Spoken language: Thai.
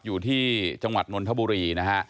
อยู่ที่จังหวัดนนทบุรีนะฮะ